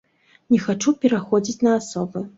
Не хачу пераходзіць на асобы.